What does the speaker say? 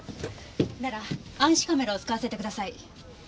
なら暗視カメラを使わせてください。